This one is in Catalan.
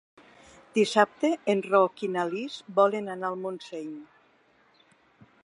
Dissabte en Roc i na Lis volen anar a Montseny.